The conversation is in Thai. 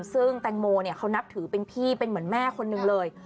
ซึ่งแตงโมเขานับถือเป็นพี่เป็นเหมือนแม่คนหนึ่งเลย